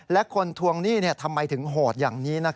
และคนทวงหนี้ทำไมถึงโหดอย่างนี้